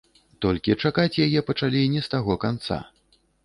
Толькі чакаць яе пачалі не з таго канца.